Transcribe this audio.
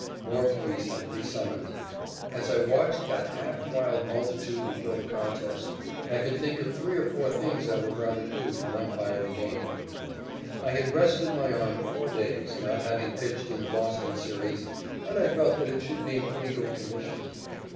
More police had to be summoned. As I watched that half wild multitude before the contest, I could think of three or four things I would rather do than umpire the game. I had rested my arm four days, not having pitched in the Boston series, and I felt that it should be in pretty good condition.